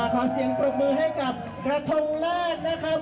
ขอเสียงปรบมือให้กับกระทงลาดนะครับ